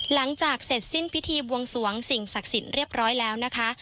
หลังจากเสร็จสิ้นพิธีบวงสวงสิ่งศักดิ์สิทธิ์เรียบร้อยแล้วนะคะ